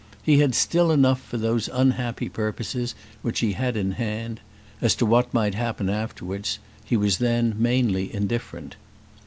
He had still enough for those unhappy purposes which he had in hand. As to what might happen afterwards, he was then mainly indifferent.